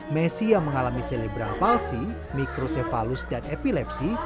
messi yang mengalami selebral palsi mikrosefalus dan epilepsi